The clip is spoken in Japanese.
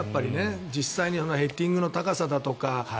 実際にヘディングの高さだとか